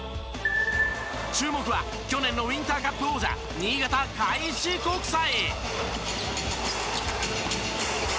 注目は去年のウインターカップ王者新潟開志国際！